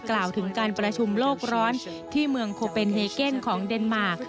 กล่าวถึงการประชุมโลกร้อนที่เมืองโคเปนเฮเกนของเดนมาร์